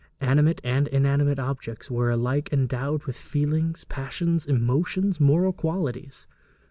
Animate and inanimate objects were alike endowed with feelings, passions, emotions, moral qualities.